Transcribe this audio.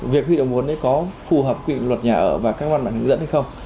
việc huy động vốn có phù hợp quy định luật nhà ở và các văn bản hướng dẫn hay không